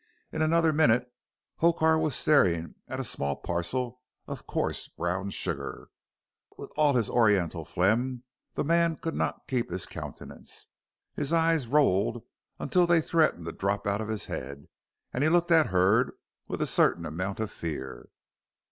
In another minute Hokar was staring at a small parcel of coarse brown sugar. With all his Oriental phlegm the man could not keep his countenance. His eyes rolled until they threatened to drop out of his head, and he looked at Hurd with a certain amount of fear.